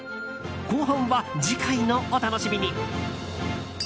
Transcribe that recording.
後半は次回のお楽しみに。